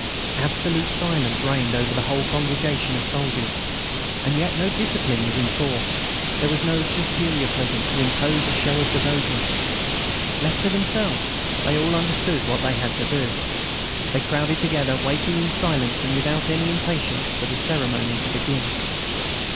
Absolute silence reigned over the whole congregation of soldiers. And yet no discipline was enforced; there was no superior present to impose a show of devotion. Left to themselves, they all understood what they had to do. They crowded together, waiting in silence and without any impatience for the ceremony to begin.